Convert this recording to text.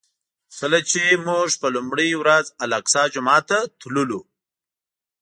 کله چې موږ په لومړي ورځ الاقصی جومات ته تللو.